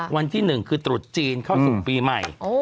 วันที่๑คือตรุษจีนเข้าสู่ปีใหม่